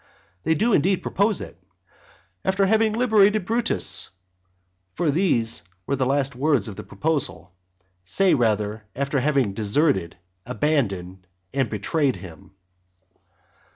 They do indeed propose it, "after having liberated Brutus," for those were the last words of the proposal, say rather, after having deserted, abandoned, and betrayed him.